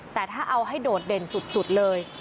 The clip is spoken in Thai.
แต่ถ้าเอาให้โดดเด่นสุดเลย